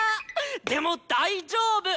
でも大丈夫！